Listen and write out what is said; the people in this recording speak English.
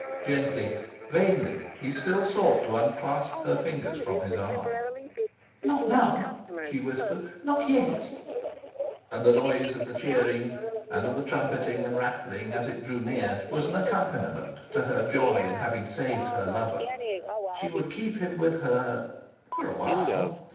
Gently, vainly, he still sought to unclasp her fingers from his arm. "Not now!" she whispered. "Not yet!" And the noise of the cheering, and of the trumpeting and rattling, as it drew near, was an accompaniment to her joy in having saved her lover. She would keep him with her for a while!